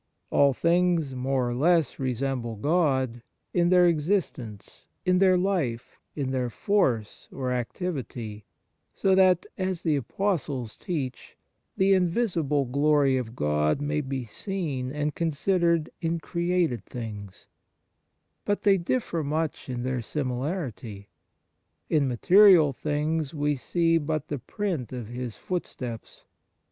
All things more or less resemble 1 De Trin., i. 4. 2 i, 2, q. no, art. 2, ad 2, 12 ON THE NATURE OF GRACE God in their existence, in their life, in their force, or activity; so that, as the Apostles teach, the invisible glory of God may be seen and considered in created things. But they differ much in their similarity. In material things we see but the print of His footsteps.